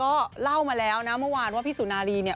ก็เล่ามาแล้วนะเมื่อวานว่าพี่สุนารีเนี่ย